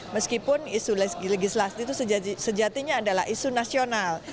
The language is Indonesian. meskipun isu legislasi itu sejatinya adalah isu nasional